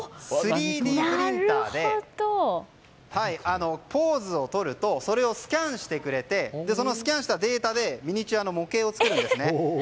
３Ｄプリンターでポーズを撮るとそれをスキャンしてくれてそのスキャンしたデータでミニチュアの模型を作るんですね。